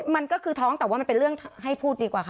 มันก็คือท้องแต่ว่ามันเป็นเรื่องให้พูดดีกว่าค่ะ